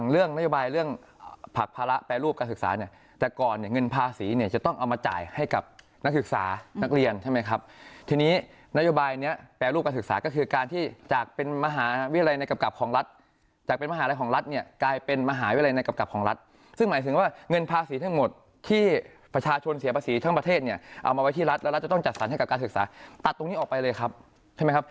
เรื่องนโยบายเรื่องผลักภาระแปรรูปการศึกษาเนี่ยแต่ก่อนเนี่ยเงินภาษีเนี่ยจะต้องเอามาจ่ายให้กับนักศึกษานักเรียนใช่ไหมครับทีนี้นโยบายเนี่ยแปรรูปการศึกษาก็คือการที่จากเป็นมหาวิรัยในกับกับของรัฐจากเป็นมหาอะไรของรัฐเนี่ยกลายเป็นมหาวิรัยในกับกับของรัฐซึ่งหมายถึงว่า